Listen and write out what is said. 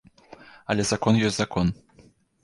Але закон ёсць закон.